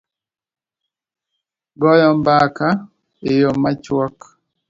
goyo mbaka e yo machuok